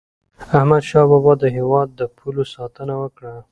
احمد شاه بابا د هیواد د پولو ساتنه وکړه.